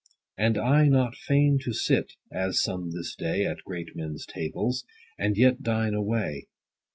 And I not fain to sit (as some this day, At great men's tables) and yet dine away.